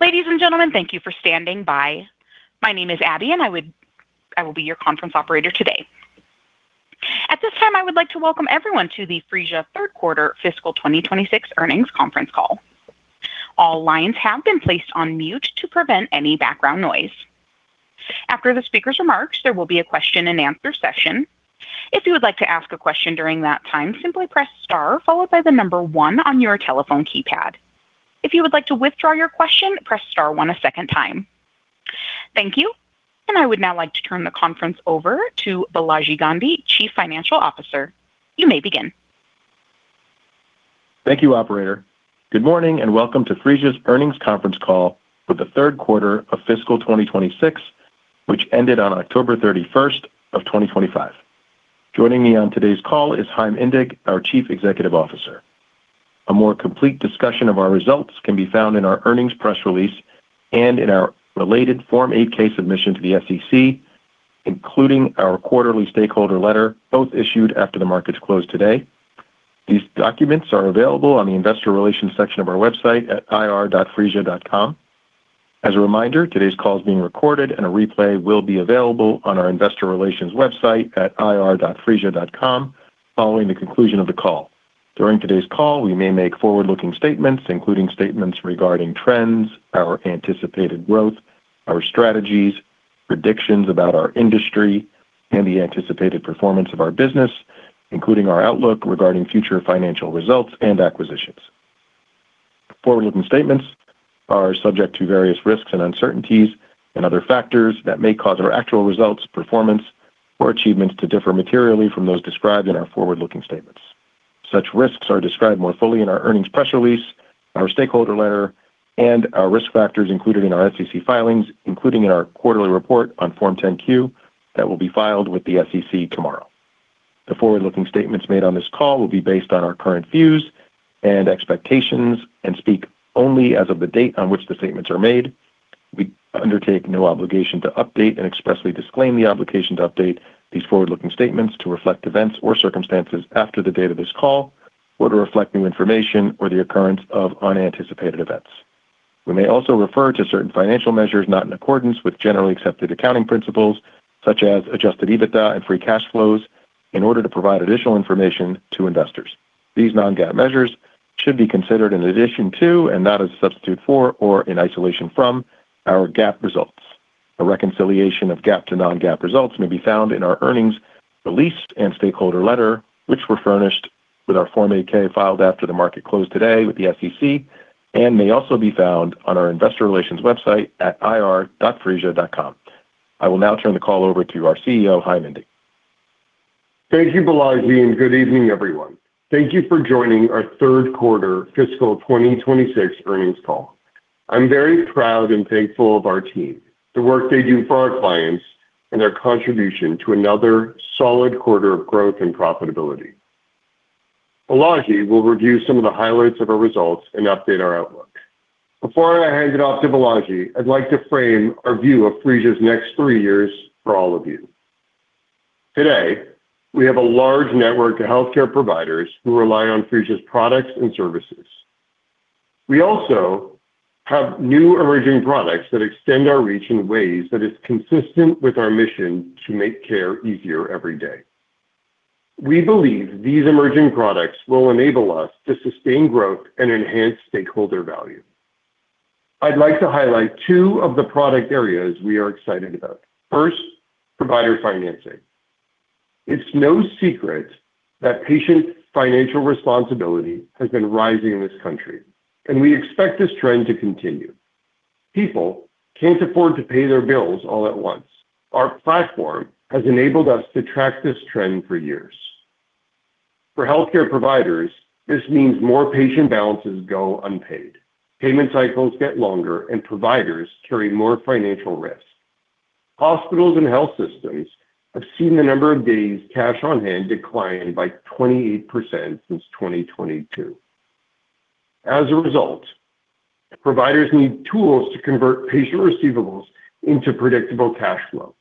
Ladies and gentlemen, thank you for standing by. My name is Abby, and I will be your conference operator today. At this time, I would like to welcome everyone to the Phreesia Third Quarter Fiscal 2026 Earnings Conference Call. All lines have been placed on mute to prevent any background noise. After the speaker's remarks, there will be a question-and-answer session. If you would like to ask a question during that time, simply press star, followed by the number one on your telephone keypad. If you would like to withdraw your question, press star one a second time. Thank you, and I would now like to turn the conference over to Balaji Gandhi, Chief Financial Officer. You may begin. Thank you, Operator. Good morning and welcome to Phreesia's Earnings Conference Call for the Third Quarter of Fiscal 2026, which ended on October 31st of 2025. Joining me on today's call is Chaim Indig, our Chief Executive Officer. A more complete discussion of our results can be found in our earnings press release and in our related Form 8-K submission to the SEC, including our quarterly stakeholder letter, both issued after the markets closed today. These documents are available on the investor relations section of our website at ir.phreesia.com. As a reminder, today's call is being recorded, and a replay will be available on our investor relations website at ir.phreesia.com following the conclusion of the call. During today's call, we may make forward-looking statements, including statements regarding trends, our anticipated growth, our strategies, predictions about our industry, and the anticipated performance of our business, including our outlook regarding future financial results and acquisitions. Forward-looking statements are subject to various risks and uncertainties and other factors that may cause our actual results, performance, or achievements to differ materially from those described in our forward-looking statements. Such risks are described more fully in our earnings press release, our stakeholder letter, and our risk factors included in our SEC filings, including in our quarterly report on Form 10-Q that will be filed with the SEC tomorrow. The forward-looking statements made on this call will be based on our current views and expectations and speak only as of the date on which the statements are made. We undertake no obligation to update and expressly disclaim the obligation to update these forward-looking statements to reflect events or circumstances after the date of this call or to reflect new information or the occurrence of unanticipated events. We may also refer to certain financial measures not in accordance with generally accepted accounting principles, such as Adjusted EBITDA and free cash flows, in order to provide additional information to investors. These non-GAAP measures should be considered in addition to and not as a substitute for or in isolation from our GAAP results. A reconciliation of GAAP to non-GAAP results may be found in our earnings release and stakeholder letter, which were furnished with our Form 8-K filed after the market closed today with the SEC, and may also be found on our investor relations website at ir.phreesia.com. I will now turn the call over to our CEO, Chaim Indig. Thank you, Balaji, and good evening, everyone. Thank you for joining our Third Quarter Fiscal 2026 Earnings Call. I'm very proud and thankful of our team, the work they do for our clients, and their contribution to another solid quarter of growth and profitability. Balaji will review some of the highlights of our results and update our outlook. Before I hand it off to Balaji, I'd like to frame our view of Phreesia's next three years for all of you. Today, we have a large network of healthcare providers who rely on Phreesia's products and services. We also have new emerging products that extend our reach in ways that are consistent with our mission to make care easier every day. We believe these emerging products will enable us to sustain growth and enhance stakeholder value. I'd like to highlight two of the product areas we are excited about. First, provider financing. It's no secret that patient financial responsibility has been rising in this country, and we expect this trend to continue. People can't afford to pay their bills all at once. Our platform has enabled us to track this trend for years. For healthcare providers, this means more patient balances go unpaid, payment cycles get longer, and providers carry more financial risk. Hospitals and health systems have seen the number of days cash on hand decline by 28% since 2022. As a result, providers need tools to convert patient receivables into predictable cash flow.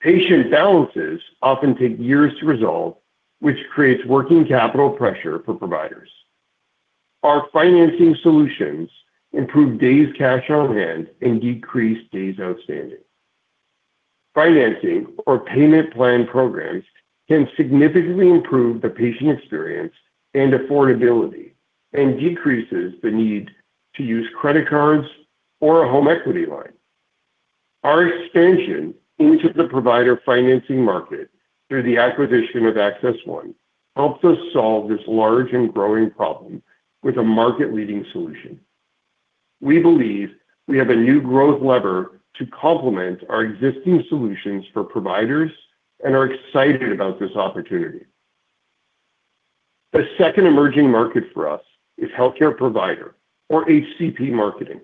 Patient balances often take years to resolve, which creates working capital pressure for providers. Our financing solutions improve days cash on hand and decrease days outstanding. Financing or payment plan programs can significantly improve the patient experience and affordability and decrease the need to use credit cards or a home equity line. Our expansion into the provider financing market through the acquisition of AccessOne helps us solve this large and growing problem with a market-leading solution. We believe we have a new growth lever to complement our existing solutions for providers, and we're excited about this opportunity. The second emerging market for us is healthcare provider or HCP marketing.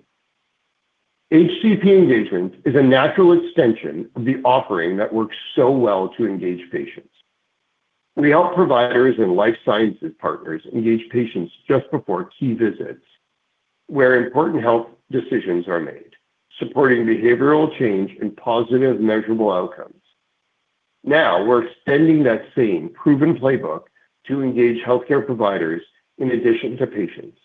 HCP engagement is a natural extension of the offering that works so well to engage patients. We help providers and life sciences partners engage patients just before key visits, where important health decisions are made, supporting behavioral change and positive measurable outcomes. Now we're extending that same proven playbook to engage healthcare providers in addition to patients.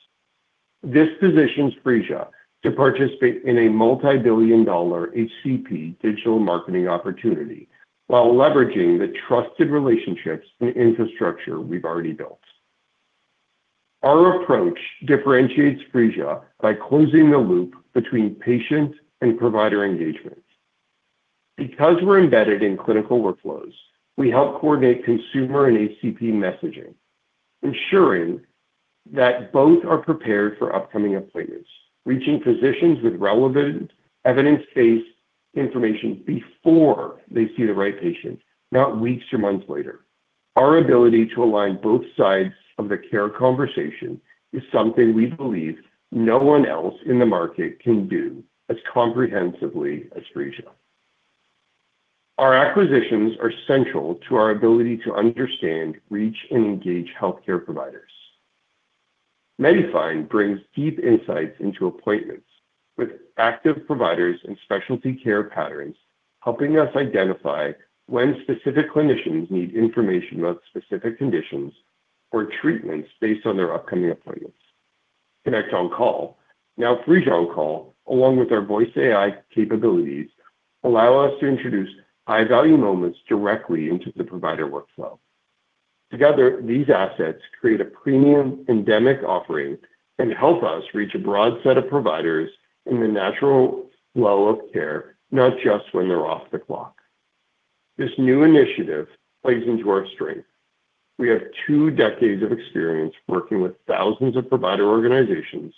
This positions Phreesia to participate in a multi-billion dollar HCP digital marketing opportunity while leveraging the trusted relationships and infrastructure we've already built. Our approach differentiates Phreesia by closing the loop between patient and provider engagement. Because we're embedded in clinical workflows, we help coordinate consumer and HCP messaging, ensuring that both are prepared for upcoming appointments, reaching physicians with relevant evidence-based information before they see the right patient, not weeks or months later. Our ability to align both sides of the care conversation is something we believe no one else in the market can do as comprehensively as Phreesia. Our acquisitions are central to our ability to understand, reach, and engage healthcare providers. MediFind brings deep insights into appointments with active providers and specialty care patterns, helping us identify when specific clinicians need information about specific conditions or treatments based on their upcoming appointments. ConnectOnCall, now PhreesiaOnCall, along with our voice AI capabilities, allow us to introduce high-value moments directly into the provider workflow. Together, these assets create a premium endemic offering and help us reach a broad set of providers in the natural flow of care, not just when they're off the clock. This new initiative plays into our strength. We have two decades of experience working with thousands of provider organizations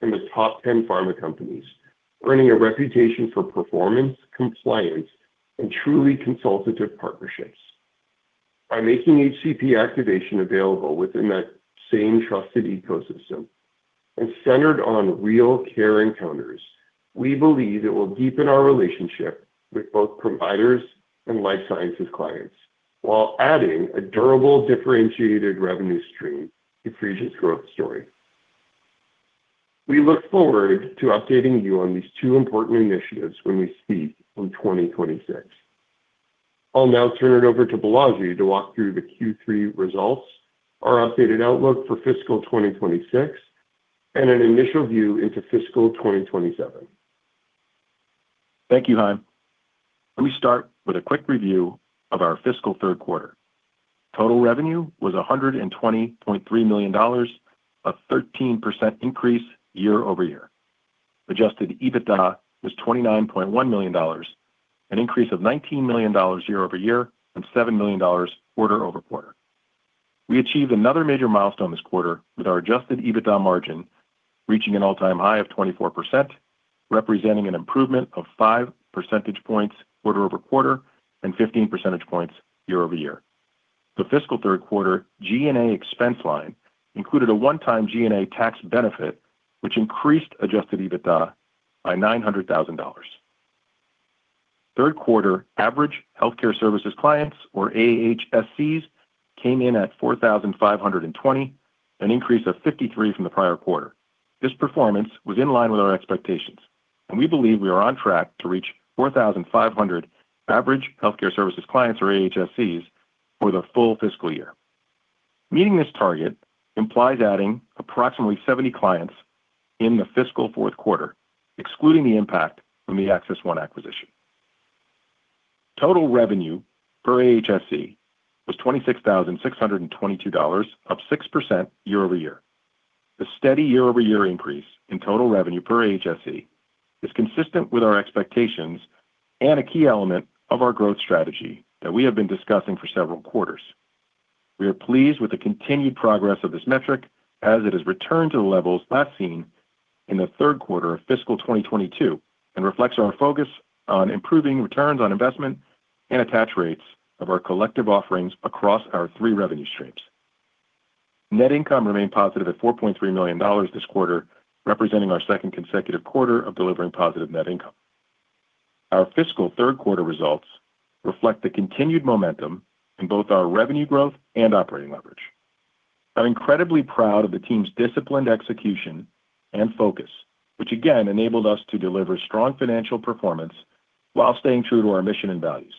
and the top 10 pharma companies, earning a reputation for performance, compliance, and truly consultative partnerships. By making HCP activation available within that same trusted ecosystem and centered on real care encounters, we believe it will deepen our relationship with both providers and life sciences clients while adding a durable differentiated revenue stream to Phreesia's growth story. We look forward to updating you on these two important initiatives when we speak in 2026. I'll now turn it over to Balaji to walk through the Q3 results, our updated outlook for fiscal 2026, and an initial view into fiscal 2027. Thank you, Chaim. Let me start with a quick review of our fiscal third quarter. Total revenue was $120.3 million, a 13% increase year-over-year. Adjusted EBITDA was $29.1 million, an increase of $19 million year-over-year and $7 million quarter-over-quarter. We achieved another major milestone this quarter with our adjusted EBITDA margin reaching an all-time high of 24%, representing an improvement of 5 percentage points quarter-over-quarter and 15 percentage points year-over-year. The fiscal third quarter G&A expense line included a one-time G&A tax benefit, which increased adjusted EBITDA by $900,000. Third quarter Average Healthcare Services Clients, or AHSCs, came in at 4,520, an increase of 53 from the prior quarter. This performance was in line with our expectations, and we believe we are on track to reach 4,500 Average Healthcare Services Clients, or AHSCs, for the full fiscal year. Meeting this target implies adding approximately 70 clients in the fiscal fourth quarter, excluding the impact from the AccessOne acquisition. Total revenue per AHSC was $26,622, up 6% year over year. The steady year-over-year increase in total revenue per AHSC is consistent with our expectations and a key element of our growth strategy that we have been discussing for several quarters. We are pleased with the continued progress of this metric as it has returned to the levels last seen in the third quarter of fiscal 2022 and reflects our focus on improving returns on investment and attach rates of our collective offerings across our three revenue streams. Net income remained positive at $4.3 million this quarter, representing our second consecutive quarter of delivering positive net income. Our fiscal third quarter results reflect the continued momentum in both our revenue growth and operating leverage. I'm incredibly proud of the team's disciplined execution and focus, which again enabled us to deliver strong financial performance while staying true to our mission and values.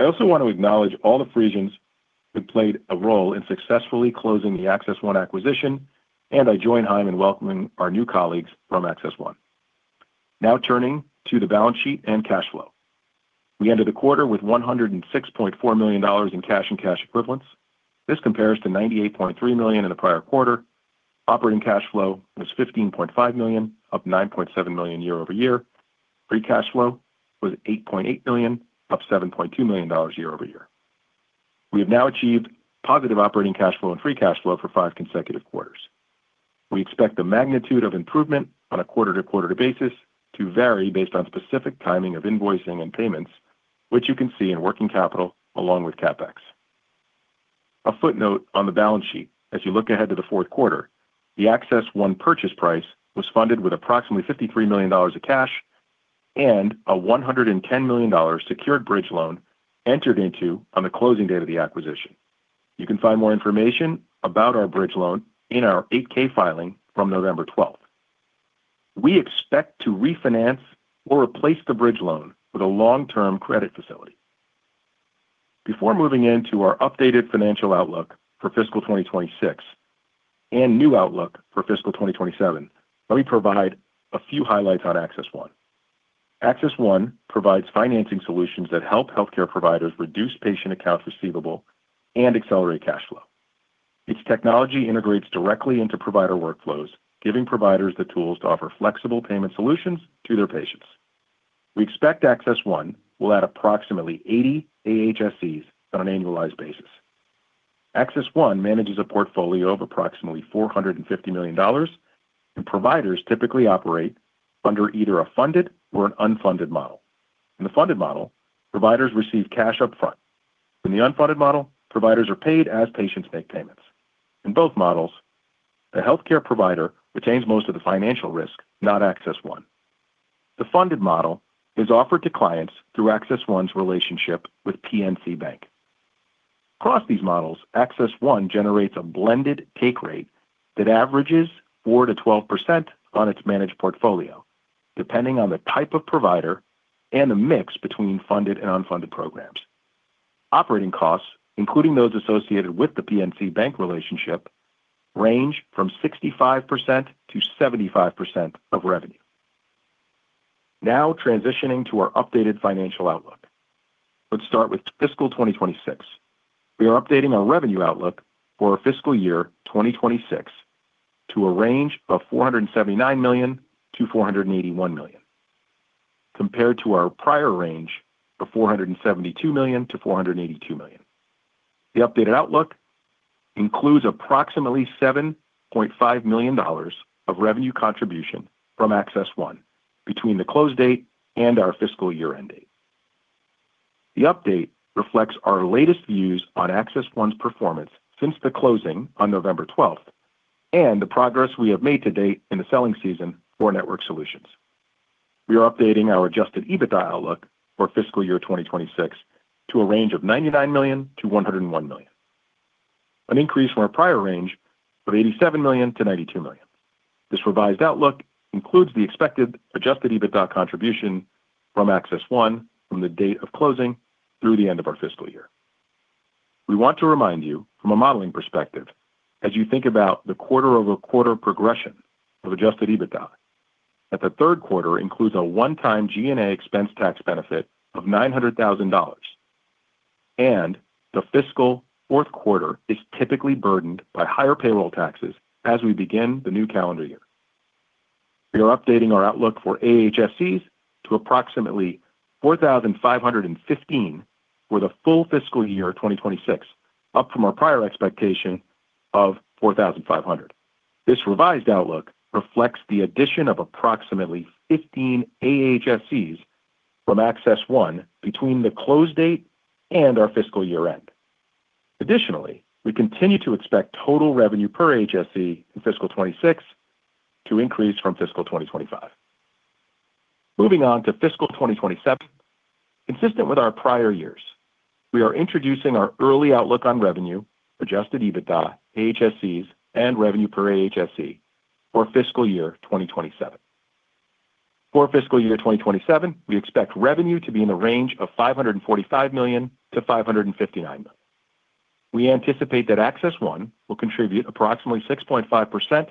I also want to acknowledge all the Phreesians who played a role in successfully closing the AccessOne acquisition, and I join Chaim in welcoming our new colleagues from AccessOne. Now turning to the balance sheet and cash flow. We ended the quarter with $106.4 million in cash and cash equivalents. This compares to $98.3 million in the prior quarter. Operating cash flow was $15.5 million, up $9.7 million year-over-year. Free cash flow was $8.8 million, up $7.2 million year-over-year. We have now achieved positive operating cash flow and free cash flow for five consecutive quarters. We expect the magnitude of improvement on a quarter-to-quarter basis to vary based on specific timing of invoicing and payments, which you can see in working capital along with CapEx. A footnote on the balance sheet: as you look ahead to the fourth quarter, the AccessOne purchase price was funded with approximately $53 million of cash and a $110 million secured bridge loan entered into on the closing date of the acquisition. You can find more information about our bridge loan in our 8-K filing from November 12th. We expect to refinance or replace the bridge loan with a long-term credit facility. Before moving into our updated financial outlook for fiscal 2026 and new outlook for fiscal 2027, let me provide a few highlights on AccessOne. AccessOne provides financing solutions that help healthcare providers reduce patient accounts receivable and accelerate cash flow. Its technology integrates directly into provider workflows, giving providers the tools to offer flexible payment solutions to their patients. We expect AccessOne will add approximately 80 AHSCs on an annualized basis. AccessOne manages a portfolio of approximately $450 million, and providers typically operate under either a funded or an unfunded model. In the funded model, providers receive cash upfront. In the unfunded model, providers are paid as patients make payments. In both models, the healthcare provider retains most of the financial risk, not AccessOne. The funded model is offered to clients through AccessOne's relationship with PNC Bank. Across these models, AccessOne generates a blended take rate that averages 4%-12% on its managed portfolio, depending on the type of provider and the mix between funded and unfunded programs. Operating costs, including those associated with the PNC Bank relationship, range from 65%-75% of revenue. Now transitioning to our updated financial outlook. Let's start with fiscal 2026. We are updating our revenue outlook for fiscal year 2026 to a range of $479 million-$481 million, compared to our prior range of $472 million-$482 million. The updated outlook includes approximately $7.5 million of revenue contribution from AccessOne between the close date and our fiscal year-end date. The update reflects our latest views on AccessOne's performance since the closing on November 12th and the progress we have made to date in the selling season for Network Solutions. We are updating our Adjusted EBITDA outlook for fiscal year 2026 to a range of $99 million-$101 million, an increase from our prior range of $87 million-$92 million. This revised outlook includes the expected adjusted EBITDA contribution from AccessOne from the date of closing through the end of our fiscal year. We want to remind you from a modeling perspective, as you think about the quarter-over-quarter progression of adjusted EBITDA, that the third quarter includes a one-time G&A expense tax benefit of $900,000, and the fiscal fourth quarter is typically burdened by higher payroll taxes as we begin the new calendar year. We are updating our outlook for AHSCs to approximately 4,515 for the full fiscal year 2026, up from our prior expectation of 4,500. This revised outlook reflects the addition of approximately 15 AHSCs from AccessOne between the close date and our fiscal year-end. Additionally, we continue to expect total revenue per AHSCs in fiscal 2026 to increase from fiscal 2025. Moving on to fiscal 2027, consistent with our prior years, we are introducing our early outlook on revenue, adjusted EBITDA, AHSCs, and revenue per AHSC for fiscal year 2027. For fiscal year 2027, we expect revenue to be in the range of $545 million-$559 million. We anticipate that AccessOne will contribute approximately 6.5%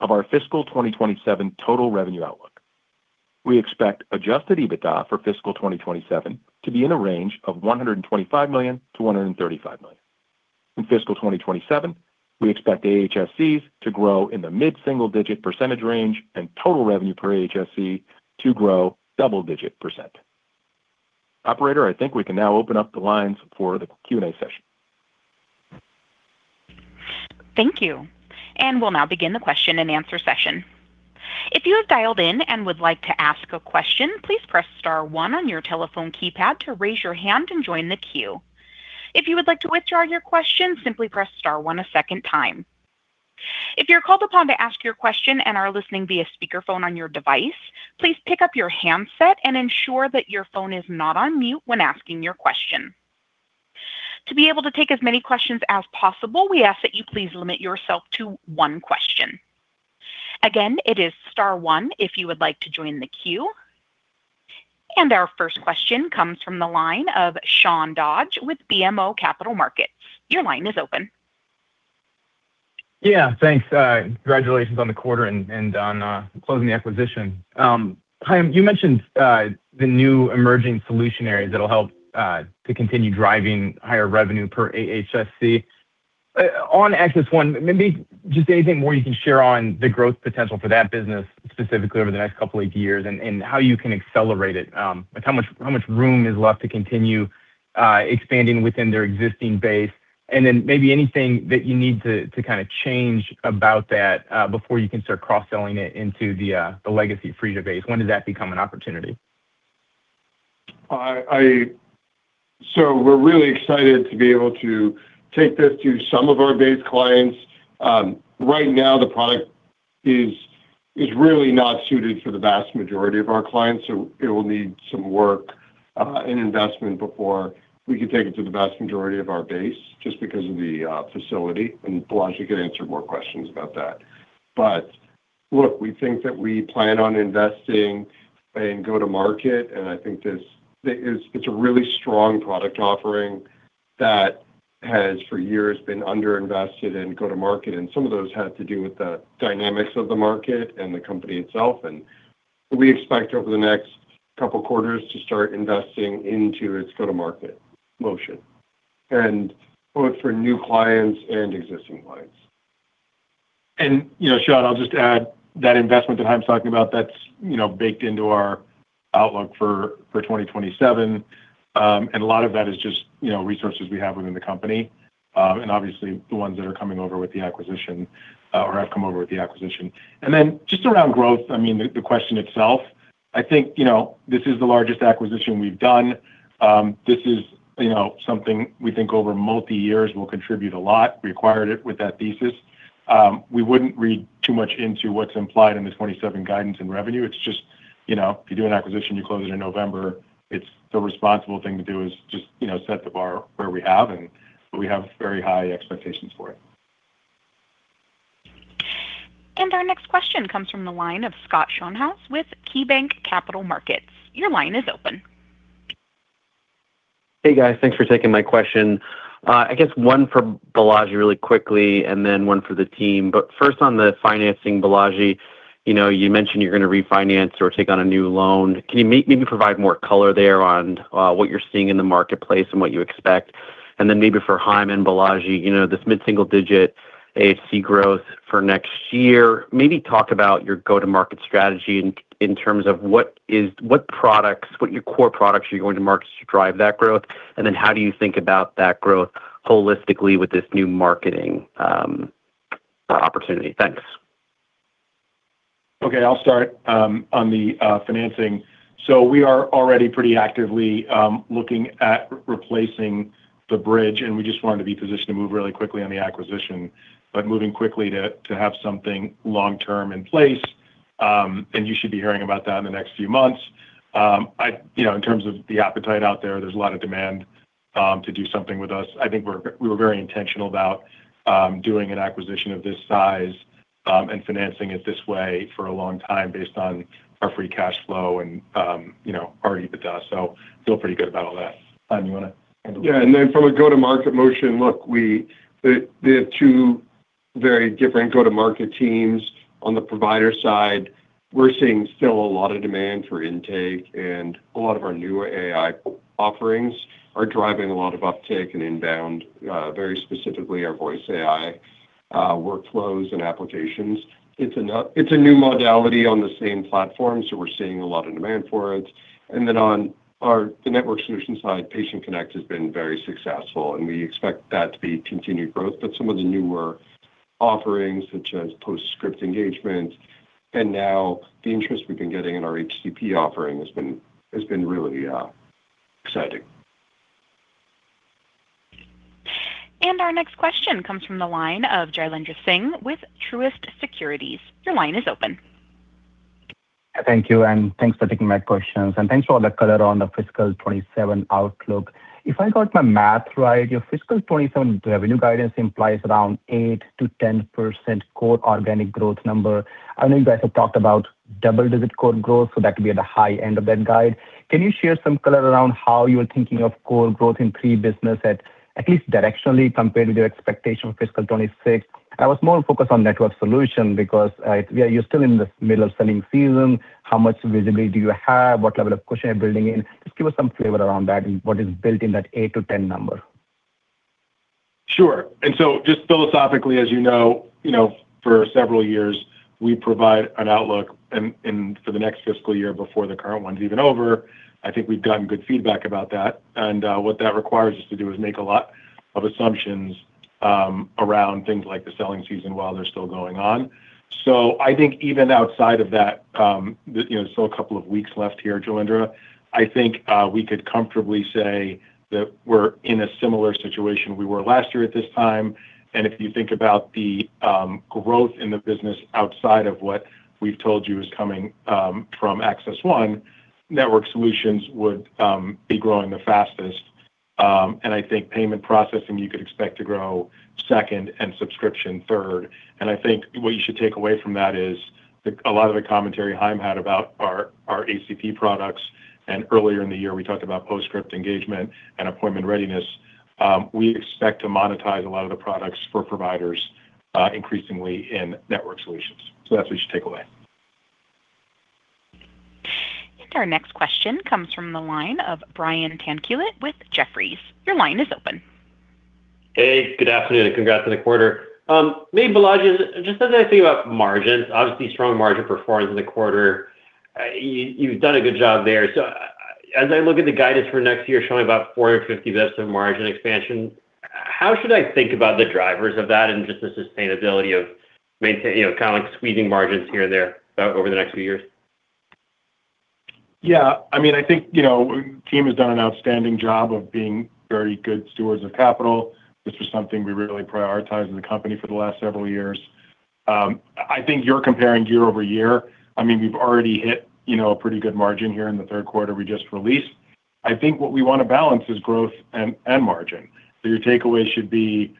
of our fiscal 2027 total revenue outlook. We expect adjusted EBITDA for fiscal 2027 to be in the range of $125 million-$135 million. In fiscal 2027, we expect AHSCs to grow in the mid-single-digit % range and total revenue per AHSC to grow double-digit %. Operator, I think we can now open up the lines for the Q&A session. Thank you. We'll now begin the question-and-answer session. If you have dialed in and would like to ask a question, please press star one on your telephone keypad to raise your hand and join the queue. If you would like to withdraw your question, simply press star one a second time. If you're called upon to ask your question and are listening via speakerphone on your device, please pick up your handset and ensure that your phone is not on mute when asking your question. To be able to take as many questions as possible, we ask that you please limit yourself to one question. Again, it is star one if you would like to join the queue. Our first question comes from the line of Sean Dodge with BMO Capital Markets. Your line is open. Yeah, thanks. Congratulations on the quarter and on closing the acquisition. Chaim, you mentioned the new emerging solution areas that'll help to continue driving higher revenue per AHSC. On AccessOne, maybe just anything more you can share on the growth potential for that business specifically over the next couple of years and how you can accelerate it, how much room is left to continue expanding within their existing base, and then maybe anything that you need to kind of change about that before you can start cross-selling it into the legacy Phreesia base. When does that become an opportunity? We're really excited to be able to take this to some of our base clients. Right now, the product is really not suited for the vast majority of our clients, so it will need some work and investment before we can take it to the vast majority of our base just because of the facility, and Balaji can answer more questions about that. Look, we think that we plan on investing in go-to-market, and I think it's a really strong product offering that has for years been under-invested in go-to-market, and some of those have to do with the dynamics of the market and the company itself. We expect over the next couple of quarters to start investing into its go-to-market motion, both for new clients and existing clients. And Sean, I'll just add that investment that I'm talking about. That's baked into our outlook for 2027, and a lot of that is just resources we have within the company and obviously the ones that are coming over with the acquisition or have come over with the acquisition. And then just around growth, I mean, the question itself, I think this is the largest acquisition we've done. This is something we think over multi-years will contribute a lot. We acquired it with that thesis. We wouldn't read too much into what's implied in the '27 guidance and revenue. It's just if you do an acquisition, you close it in November, the responsible thing to do is just set the bar where we have, and we have very high expectations for it. Our next question comes from the line of Scott Schoenhaus with KeyBanc Capital Markets. Your line is open. Hey, guys. Thanks for taking my question. I guess one for Balaji really quickly and then one for the team. But first, on the financing, Balaji, you mentioned you're going to refinance or take on a new loan. Can you maybe provide more color there on what you're seeing in the marketplace and what you expect? And then maybe for Chaim and Balaji, this mid-single-digit AHSC growth for next year, maybe talk about your go-to-market strategy in terms of what products, what your core products you're going to market to drive that growth, and then how do you think about that growth holistically with this new marketing opportunity? Thanks. Okay. I'll start on the financing. So we are already pretty actively looking at replacing the bridge, and we just wanted to be positioned to move really quickly on the acquisition, but moving quickly to have something long-term in place, and you should be hearing about that in the next few months. In terms of the appetite out there, there's a lot of demand to do something with us. I think we were very intentional about doing an acquisition of this size and financing it this way for a long time based on our free cash flow and our EBITDA. So feel pretty good about all that. Chaim, you want to handle this? Yeah. And then from a go-to-market motion, look, we have two very different go-to-market teams. On the provider side, we're seeing still a lot of demand for intake, and a lot of our newer AI offerings are driving a lot of uptake and inbound, very specifically our voice AI workflows and applications. It's a new modality on the same platform, so we're seeing a lot of demand for it. And then on the network solution side, PatientConnect has been very successful, and we expect that to be continued growth. But some of the newer offerings, such as Post-Script Engagement, and now the interest we've been getting in our HCP offering has been really exciting. Our next question comes from the line of Jailendra Singh with Truist Securities. Your line is open. Thank you, and thanks for taking my questions, and thanks for all the color on the fiscal 2027 outlook. If I got my math right, your fiscal 2027 revenue guidance implies around 8%-10% core organic growth number. I know you guys have talked about double-digit core growth, so that could be at the high end of that guide. Can you share some color around how you're thinking of core growth in Phreesia business, at least directionally, compared with your expectation for fiscal 2026? I was more focused on network solution because you're still in the middle of selling season. How much visibility do you have? What level of cushion are you building in? Just give us some flavor around that and what is built in that 8%-10% number. Sure. And so just philosophically, as you know, for several years, we provide an outlook, and for the next fiscal year before the current one's even over. I think we've gotten good feedback about that. And what that requires us to do is make a lot of assumptions around things like the selling season while they're still going on. So I think even outside of that, there's still a couple of weeks left here, Jailendra. I think we could comfortably say that we're in a similar situation we were last year at this time. And if you think about the growth in the business outside of what we've told you is coming from AccessOne, Network Solutions would be growing the fastest. And I think Payment Processing, you could expect to grow second, and Subscription third. I think what you should take away from that is a lot of the commentary Chaim had about our HCP products, and earlier in the year, we talked about Post-Script Engagement and Appointment Readiness. We expect to monetize a lot of the products for providers increasingly in Network Solutions. That's what you should take away. Our next question comes from the line of Brian Tanquilut with Jefferies. Your line is open. Hey, good afternoon, and congrats on the quarter. Me and Balaji, just as I think about margins, obviously strong margin performance in the quarter, you've done a good job there. So as I look at the guidance for next year showing about 450 basis points of margin expansion, how should I think about the drivers of that and just the sustainability of kind of like squeezing margins here and there over the next few years? Yeah. I mean, I think the team has done an outstanding job of being very good stewards of capital. This was something we really prioritized as a company for the last several years. I think you're comparing year over year. I mean, we've already hit a pretty good margin here in the third quarter we just released. I think what we want to balance is growth and margin. So your takeaway should be,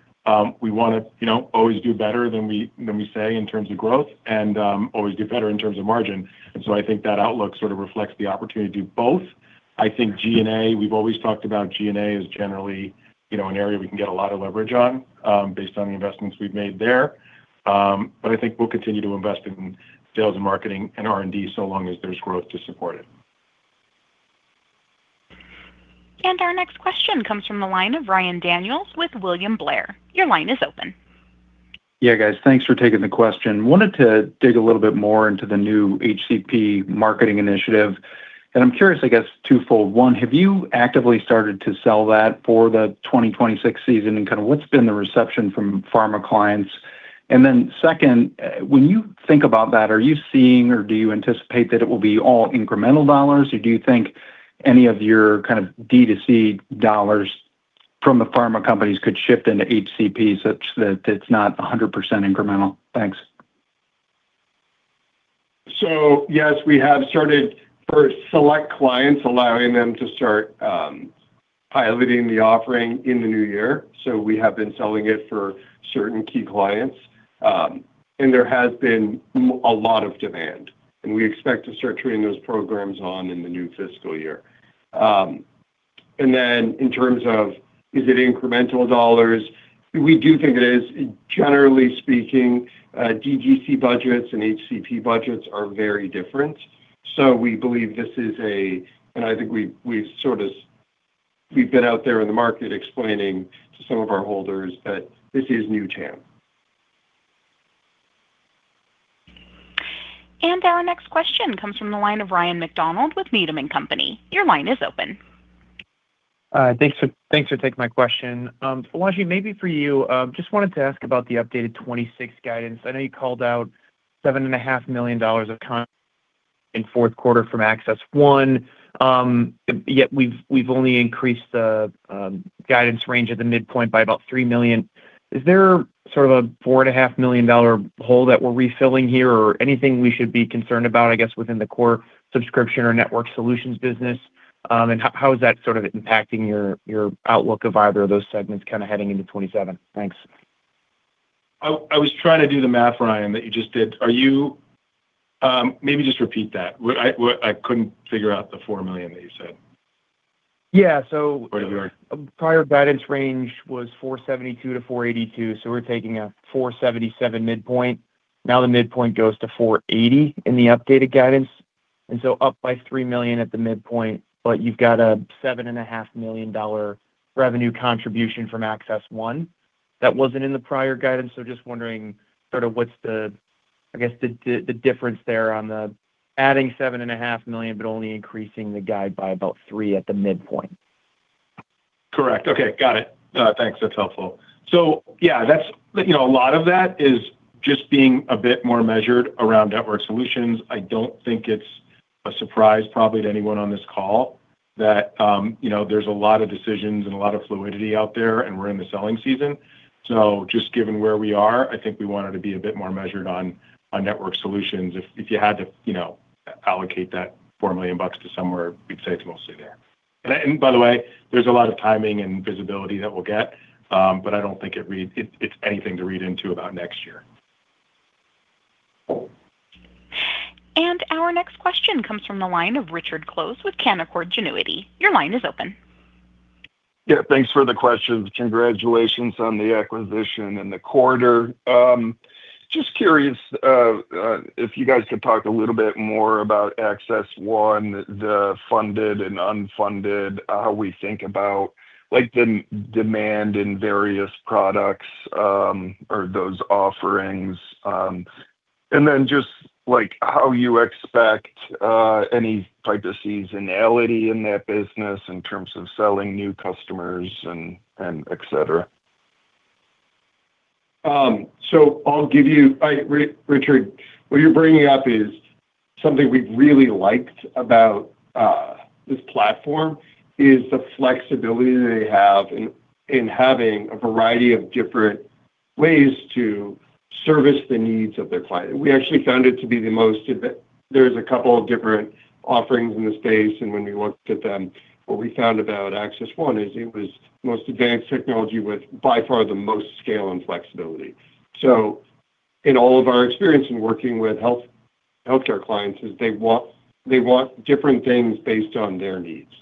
we want to always do better than we say in terms of growth and always do better in terms of margin. And so I think that outlook sort of reflects the opportunity to do both. I think G&A, we've always talked about G&A as generally an area we can get a lot of leverage on based on the investments we've made there. But I think we'll continue to invest in sales and marketing and R&D so long as there's growth to support it. Our next question comes from the line of Ryan Daniels with William Blair. Your line is open. Yeah, guys, thanks for taking the question. Wanted to dig a little bit more into the new HCP marketing initiative. And I'm curious, I guess, twofold. One, have you actively started to sell that for the 2026 season? And kind of what's been the reception from pharma clients? And then second, when you think about that, are you seeing or do you anticipate that it will be all incremental dollars? Or do you think any of your kind of DTC dollars from the pharma companies could shift into HCP such that it's not 100% incremental? Thanks. So yes, we have started for select clients, allowing them to start piloting the offering in the new year. We have been selling it for certain key clients. And there has been a lot of demand. And we expect to start turning those programs on in the new fiscal year. And then in terms of, is it incremental dollars? We do think it is. Generally speaking, DTC budgets and HCP budgets are very different. So we believe this is a, and I think we've sort of, we've been out there in the market explaining to some of our holders that this is new, Chaim. Our next question comes from the line of Ryan MacDonald with Needham & Company. Your line is open. Thanks for taking my question. Balaji, maybe for you, just wanted to ask about the updated '26 guidance. I know you called out $7.5 million of contribution in fourth quarter from AccessOne, yet we've only increased the guidance range at the midpoint by about $3 million. Is there sort of a $4.5 million hole that we're refilling here or anything we should be concerned about, I guess, within the core Subscription or Network Solutions business? And how is that sort of impacting your outlook of either of those segments kind of heading into '27? Thanks. I was trying to do the math, Ryan, that you just did. Maybe just repeat that. I couldn't figure out the 4 million that you said. Yeah. So prior guidance range was $472-$482. So we're taking a $477 midpoint. Now the midpoint goes to $480 in the updated guidance. And so up by $3 million at the midpoint, but you've got a $7.5 million revenue contribution from AccessOne that wasn't in the prior guidance. So just wondering sort of what's the, I guess, the difference there on the adding $7.5 million, but only increasing the guide by about $3 at the midpoint. Correct. Okay. Got it. Thanks. That's helpful. So yeah, a lot of that is just being a bit more measured around Network Solutions. I don't think it's a surprise probably to anyone on this call that there's a lot of decisions and a lot of fluidity out there, and we're in the selling season. So just given where we are, I think we wanted to be a bit more measured on Network Solutions. If you had to allocate that $4 million to somewhere, we'd say it's mostly there. And by the way, there's a lot of timing and visibility that we'll get, but I don't think it's anything to read into about next year. Our next question comes from the line of Richard Close with Canaccord Genuity. Your line is open. Yeah. Thanks for the question. Congratulations on the acquisition in the quarter. Just curious if you guys could talk a little bit more about AccessOne, the funded and unfunded, how we think about the demand in various products or those offerings, and then just how you expect any type of seasonality in that business in terms of selling new customers, etc. So I'll give you, Richard. What you're bringing up is something we've really liked about this platform: the flexibility they have in having a variety of different ways to service the needs of their client. We actually found it to be the most. There's a couple of different offerings in the space, and when we looked at them, what we found about AccessOne is it was the most advanced technology with by far the most scale and flexibility. So in all of our experience in working with healthcare clients, they want different things based on their needs.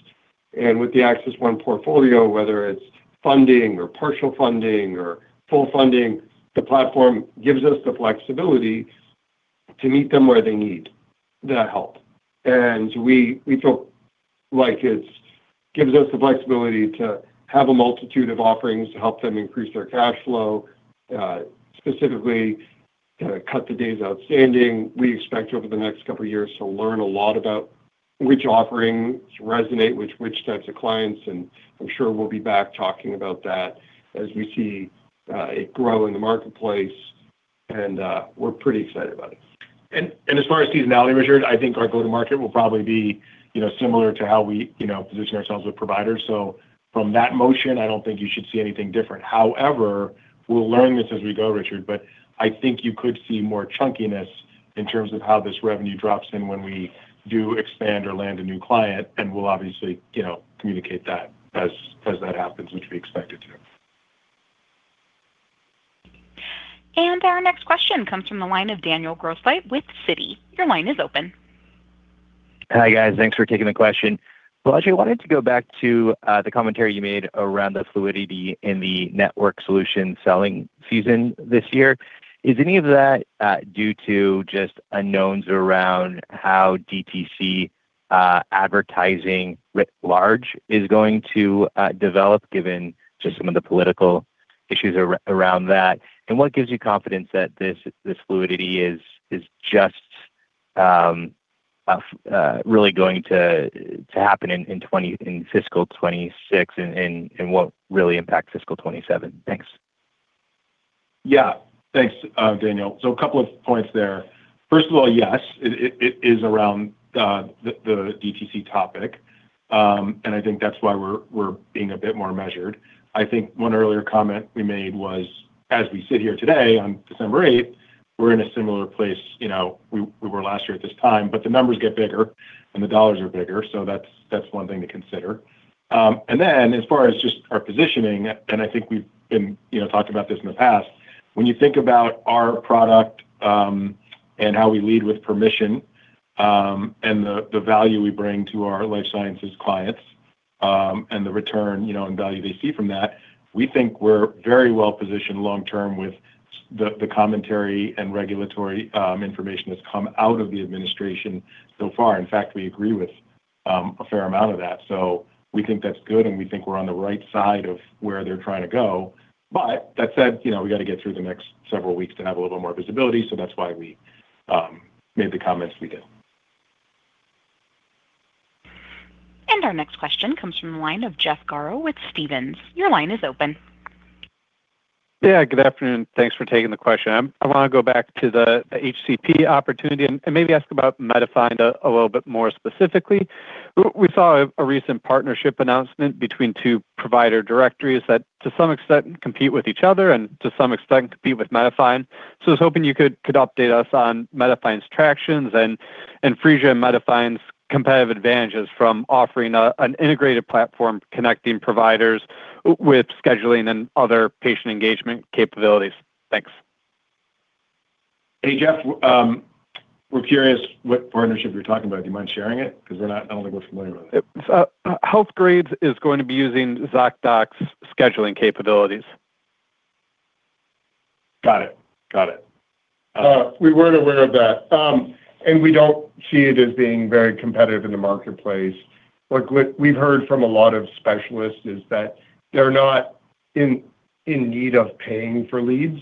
And with the AccessOne portfolio, whether it's funding or partial funding or full funding, the platform gives us the flexibility to meet them where they need that help. We feel like it gives us the flexibility to have a multitude of offerings to help them increase their cash flow, specifically to cut the days outstanding. We expect over the next couple of years to learn a lot about which offerings resonate with which types of clients. I'm sure we'll be back talking about that as we see it grow in the marketplace. We're pretty excited about it. As far as seasonality measured, I think our go-to-market will probably be similar to how we position ourselves with providers. From that motion, I don't think you should see anything different. However, we'll learn this as we go, Richard, but I think you could see more chunkiness in terms of how this revenue drops in when we do expand or land a new client. We'll obviously communicate that as that happens, which we expect it to. Our next question comes from the line of Daniel Grosslight with Citi. Your line is open. Hi guys. Thanks for taking the question. Balaji, I wanted to go back to the commentary you made around the fluidity in the network solution selling season this year. Is any of that due to just unknowns around how DTC advertising writ large is going to develop given just some of the political issues around that? And what gives you confidence that this fluidity is just really going to happen in fiscal 2026 and won't really impact fiscal 2027? Thanks. Yeah. Thanks, Daniel. So a couple of points there. First of all, yes, it is around the DTC topic. And I think that's why we're being a bit more measured. I think one earlier comment we made was, as we sit here today on December 8th, we're in a similar place we were last year at this time, but the numbers get bigger and the dollars are bigger. So that's one thing to consider. And then as far as just our positioning, and I think we've been talking about this in the past, when you think about our product and how we lead with permission and the value we bring to our life sciences clients and the return and value they see from that, we think we're very well positioned long term with the commentary and regulatory information that's come out of the administration so far. In fact, we agree with a fair amount of that. So we think that's good, and we think we're on the right side of where they're trying to go. But that said, we got to get through the next several weeks to have a little more visibility. So that's why we made the comments we did. And our next question comes from the line of Jeff Garro with Stephens. Your line is open. Yeah. Good afternoon. Thanks for taking the question. I want to go back to the HCP opportunity and maybe ask about MediFind a little bit more specifically. We saw a recent partnership announcement between two provider directories that to some extent compete with each other and to some extent compete with MediFind. So I was hoping you could update us on MediFind's traction and Phreesia and MediFind's competitive advantages from offering an integrated platform connecting providers with scheduling and other patient engagement capabilities. Thanks. Hey, Jeff. We're curious what partnership you're talking about. Do you mind sharing it? Because I don't think we're familiar with it. Healthgrades is going to be using Zocdoc's scheduling capabilities. Got it. Got it. We weren't aware of that, and we don't see it as being very competitive in the marketplace. What we've heard from a lot of specialists is that they're not in need of paying for leads,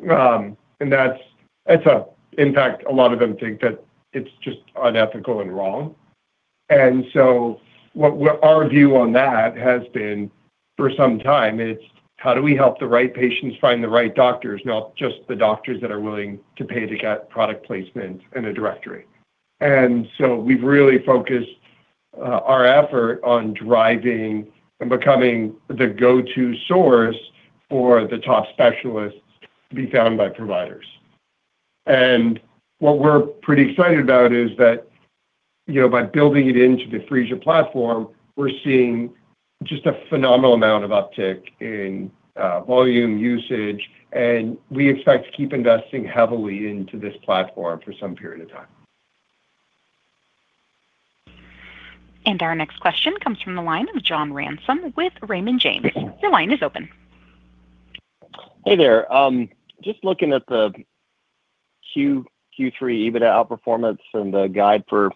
and that's an impact. A lot of them think that it's just unethical and wrong, and so our view on that has been for some time. It's how do we help the right patients find the right doctors, not just the doctors that are willing to pay to get product placement in a directory, and so we've really focused our effort on driving and becoming the go-to source for the top specialists to be found by providers. And what we're pretty excited about is that by building it into the Phreesia platform, we're seeing just a phenomenal amount of uptick in volume usage. We expect to keep investing heavily into this platform for some period of time. And our next question comes from the line of John Ransom with Raymond James. Your line is open. Hey there. Just looking at the Q3 EBITDA outperformance and the guide for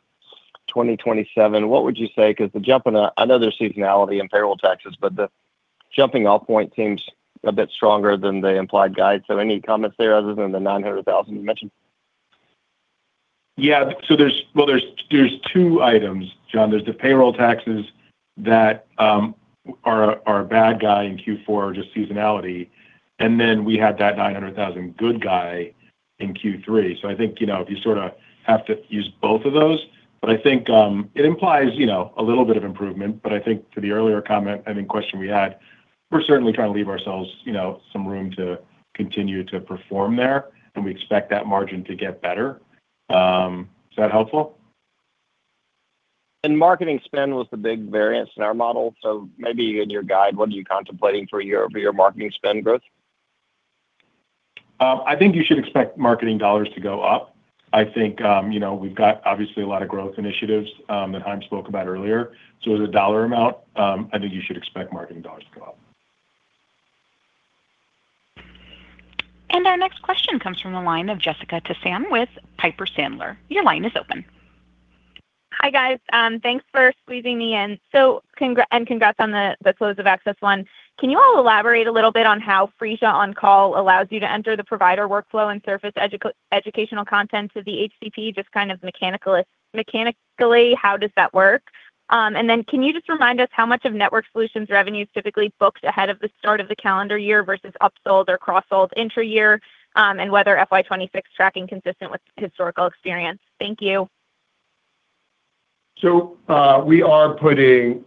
2027, what would you say? Because the jump in another seasonality and payroll taxes, but the jumping-off point seems a bit stronger than the implied guide. So any comments there other than the $900,000 you mentioned? Yeah. So there's two items, John. There's the payroll taxes that are a bad guy in Q4, just seasonality. And then we had that $900,000 good guy in Q3. So I think if you sort of have to use both of those, but I think it implies a little bit of improvement. But I think to the earlier comment and question we had, we're certainly trying to leave ourselves some room to continue to perform there. And we expect that margin to get better. Is that helpful? Marketing spend was the big variance in our model. Maybe in your guide, what are you contemplating for your marketing spend growth? I think you should expect marketing dollars to go up. I think we've got obviously a lot of growth initiatives that Chaim spoke about earlier. So as a dollar amount, I think you should expect marketing dollars to go up. And our next question comes from the line of Jessica Tassan with Piper Sandler. Your line is open. Hi guys. Thanks for squeezing me in. And congrats on the close of AccessOne. Can you all elaborate a little bit on how PhreesiaOnCall allows you to enter the provider workflow and surface educational content to the HCP? Just kind of mechanically, how does that work? And then can you just remind us how much of Network Solutions revenue is typically booked ahead of the start of the calendar year versus upsold or cross-sold intra-year and whether FY26 tracking consistent with historical experience? Thank you. We are putting,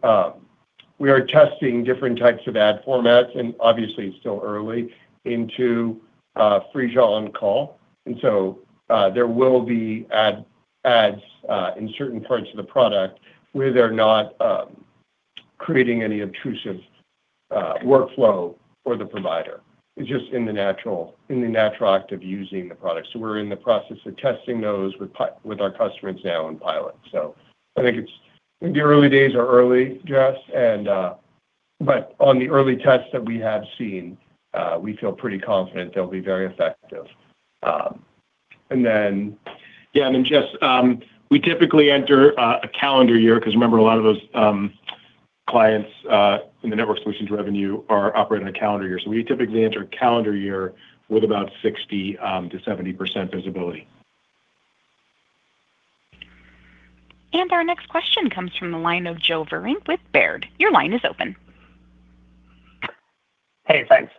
we are testing different types of ad formats, and obviously it's still early into PhreesiaOnCall. And so there will be ads in certain parts of the product where they're not creating any obtrusive workflow for the provider. It's just in the natural act of using the product. So we're in the process of testing those with our customers now in pilot. So I think it's in the early days or early, Jess. But on the early tests that we have seen, we feel pretty confident they'll be very effective. And then, Jess, we typically enter a calendar year because remember a lot of those clients in the Network Solutions revenue are operating on a calendar year. So we typically enter a calendar year with about 60%-70% visibility. Our next question comes from the line of Joe Vruwink with Baird. Your line is open. Hey, thanks.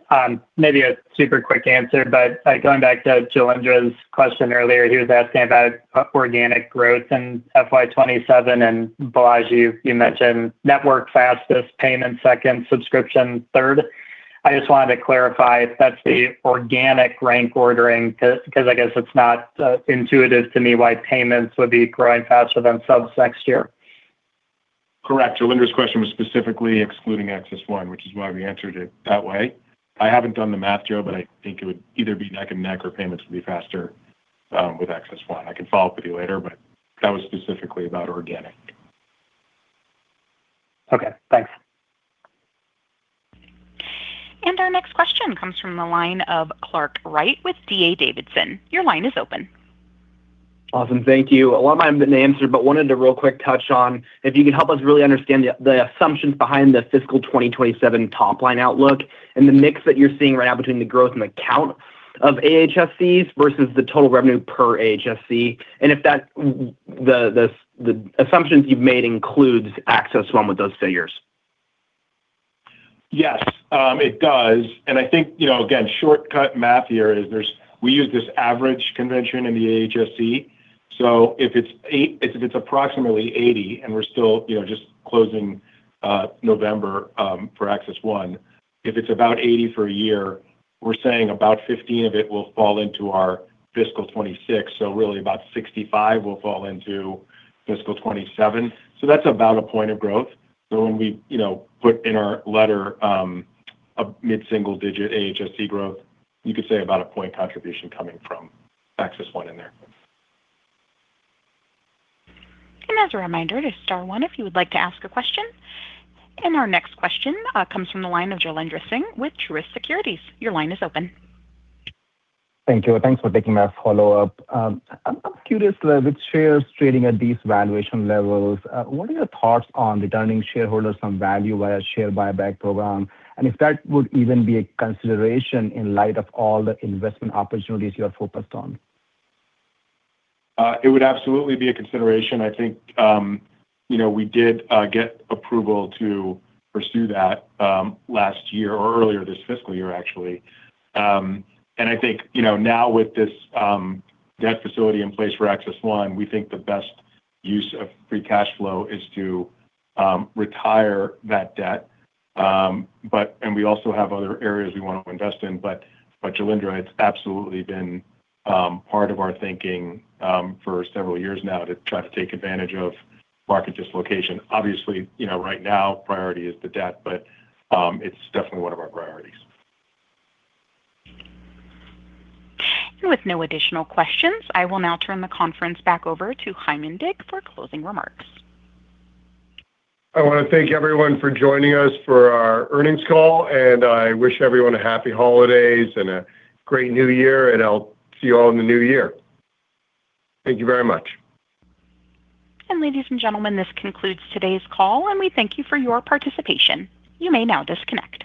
Maybe a super quick answer, but going back to Jailendra's question earlier, he was asking about organic growth in FY27, and Balaji, you mentioned network fastest, payment second, Subscription third. I just wanted to clarify if that's the organic rank ordering because I guess it's not intuitive to me why payments would be growing faster than subs next year. Correct. Jailendra's question was specifically excluding AccessOne, which is why we answered it that way. I haven't done the math, Joe, but I think it would either be neck and neck or payments would be faster with AccessOne. I can follow up with you later, but that was specifically about organic. Okay. Thanks. Our next question comes from the line of Clark Wright with D.A. Davidson. Your line is open. Awesome. Thank you. A lot of my answer, but wanted to real quick touch on if you can help us really understand the assumptions behind the fiscal 2027 top line outlook and the mix that you're seeing right now between the growth and the count of AHSCs versus the total revenue per AHSC. And if the assumptions you've made includes AccessOne with those figures. Yes, it does. And I think, again, shortcut math here is we use this average convention in the AHSC. So if it's approximately 80, and we're still just closing November for AccessOne, if it's about 80 for a year, we're saying about 15 of it will fall into our fiscal 26. So really about 65 will fall into fiscal 27. So that's about a point of growth. So when we put in our letter a mid-single digit AHSC growth, you could say about a point contribution coming from AccessOne in there. And as a reminder to star one if you would like to ask a question. And our next question comes from the line of Jailendra Singh with Truist Securities. Your line is open. Thank you. Thanks for taking my follow-up. I'm curious, with shares trading at these valuation levels, what are your thoughts on returning shareholders some value via share buyback program, and if that would even be a consideration in light of all the investment opportunities you're focused on? It would absolutely be a consideration. I think we did get approval to pursue that last year or earlier this fiscal year, actually. And I think now with this debt facility in place for AccessOne, we think the best use of free cash flow is to retire that debt. And we also have other areas we want to invest in. But Jailendra, it's absolutely been part of our thinking for several years now to try to take advantage of market dislocation. Obviously, right now, priority is the debt, but it's definitely one of our priorities. With no additional questions, I will now turn the conference back over to Chaim Indig for closing remarks. I want to thank everyone for joining us for our earnings call. And I wish everyone a happy holidays and a great new year. And I'll see you all in the new year. Thank you very much. Ladies and gentlemen, this concludes today's call, and we thank you for your participation. You may now disconnect.